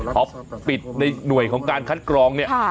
พอปิดในหน่วยของการคัดกรองเนี่ย